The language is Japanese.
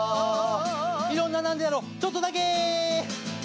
いろんな「なんでだろう」ちょっとだけ！